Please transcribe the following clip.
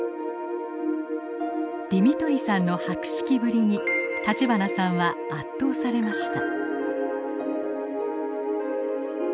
ディミトリさんの博識ぶりに立花さんは圧倒されました。